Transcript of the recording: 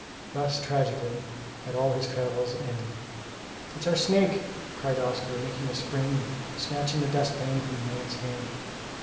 Thus tragically had all his travels ended. "It's our snake!" cried Oscar, making a spring and snatching the dustpan from the man's hand.